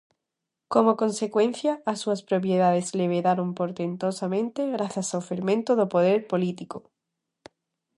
Como consecuencia as súas propiedades levedaron portentosamente grazas ao fermento do poder político.